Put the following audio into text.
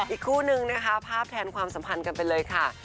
อีกคู่นึงนะคะภาพแทนความสัมพันธ์กันไปเลยค่ะ